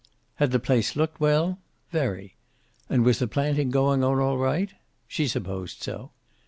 Had the place looked well? Very. And was the planting going on all right? She supposed so.